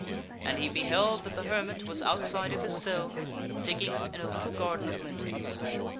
And he beheld that the hermit was outside of his cell digging in a little garden of lentils.